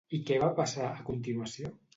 I què va passar, a continuació?